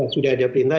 sudah ada perintah